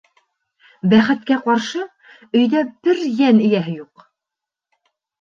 Бәхеткә ҡаршы, өйҙә бер йән эйәһе юҡ.